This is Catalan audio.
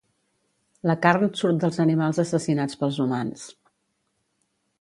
La carn surt dels animals assassinats pels humans.